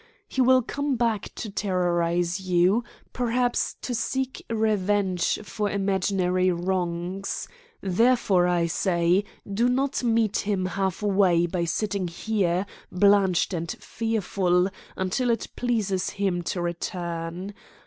He will come back to terrorise you, perhaps to seek revenge for imaginary wrongs. Therefore, I say, do not meet him half way by sitting here, blanched and fearful, until it pleases him to return.